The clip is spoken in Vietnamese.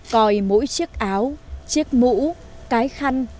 coi mỗi chiếc áo chiếc mũ cái khăn